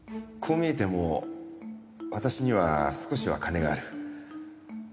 こう見えても私には少しは金がある。